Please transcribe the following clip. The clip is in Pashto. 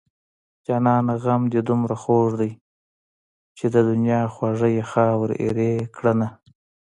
جانانه غم دې دومره خوږ دی چې د دنيا خواږه يې خاورې ايرې کړنه